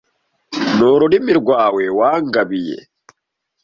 N’urumuri rwawe wangabiye